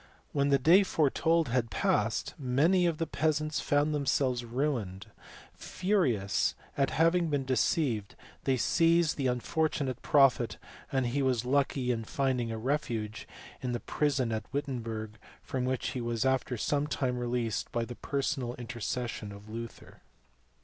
When the day foretold had passed, many of the peasants found themselves ruined : furious at having been deceived, they seized the unfortunate prophet, and he was lucky in finding a refuge in the prison at Wittenberg, from which he was after some time released by the personal intercession of Luther.